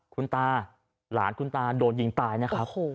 คุณตาหลานคุณตาโดนยิงตายนะครับ